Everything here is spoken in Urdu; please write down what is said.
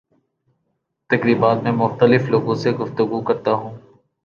تقریبات میں مختلف لوگوں سے گفتگو کرتا ہوں